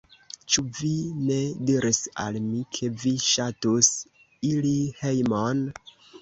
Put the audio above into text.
Ĉu vi ne diris al mi, ke vi ŝatus iri hejmon?